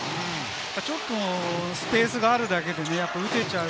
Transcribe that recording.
ちょっとスペースがあるだけで打てちゃう。